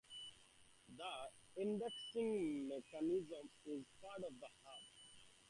The indexing mechanism is part of the hub.